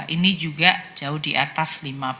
ini juga jauh di atas lima puluh